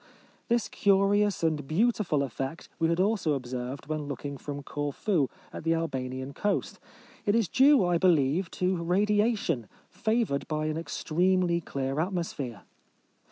This curious and beautiful effect we had also observed Avhen looking from Corfu at the Albanian coast. It is due, I believe, to radiation, fa voured by an extremely clear atmo sphere.